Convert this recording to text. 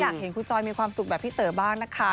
อยากเห็นคุณจอยมีความสุขแบบพี่เต๋อบ้างนะคะ